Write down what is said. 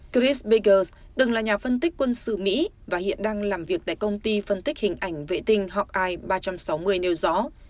chris biggers từng là nhà phân tích quân sự mỹ và hiện đang làm việc tại công ty phân tích hình ảnh vệ tinh hawkeye ba trăm sáu mươi nêu gió